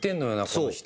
この人。